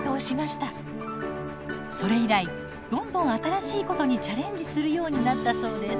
それ以来どんどん新しいことにチャレンジするようになったそうです。